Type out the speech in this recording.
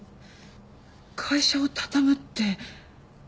会社を畳むって。